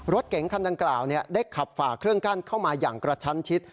รถเก๋งคันดังกล่าวได้ขับฝ่าเครื่องกั้นเข้ามาอย่างกระชั้นชิด